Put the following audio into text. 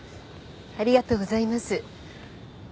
ありがとうございます。